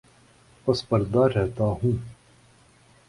پس پردہ رہتا ہوں